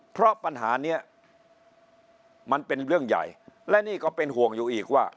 เพราะปัญหานี้มันเป็นเรื่องใหญ่และนี่ก็เป็นห่วงอยู่อีกว่า